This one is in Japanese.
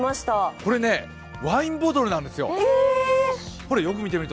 これね、ワインボトルなんですよ。